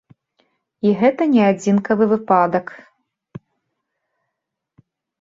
І гэта не адзінкавы выпадак.